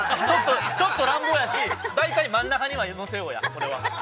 ちょっと乱暴やし、大体真ん中にはのせようや、これは。